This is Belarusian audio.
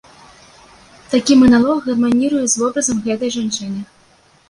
Такі маналог гарманіруе з вобразам гэтай жанчыны.